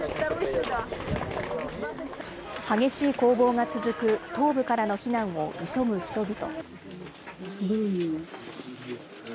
激しい攻防が続く東部からの避難を急ぐ人々。